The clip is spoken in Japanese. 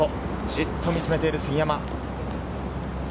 じっと見つめている杉山。